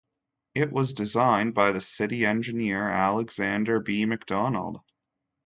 It was designed by the City Engineer, Alexander B. McDonald.